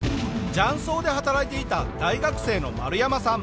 雀荘で働いていた大学生のマルヤマさん。